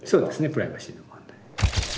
プライバシーの問題。